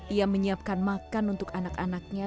ia menyiapkan makan untuk anak anaknya